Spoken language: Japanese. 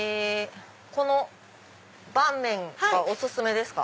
この拌麺はお薦めですか？